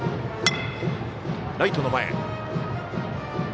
ライトの前。